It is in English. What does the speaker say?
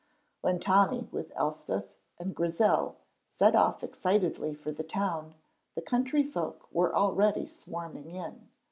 When Tommy, with Elspeth and Grizel, set off excitedly for the town, the country folk were already swarming in.